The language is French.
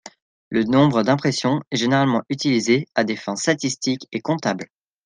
Le nombre d'impressions est généralement utilisé à des fins statistiques et comptables.